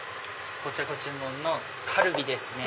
こちらご注文のカルビですね。